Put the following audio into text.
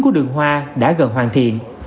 của đường hoa đã gần hoàn thiện